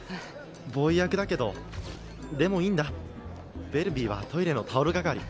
ボーイ役だけどでもいいんだベルビィはトイレのタオル係